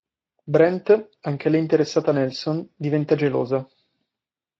Brent, anche lei interessata a Nelson, diventa gelosa.